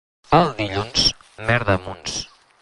El dilluns, merda a munts.